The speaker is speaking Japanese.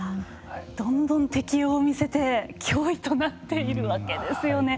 どんどん適応を見せて脅威となっているわけですよね。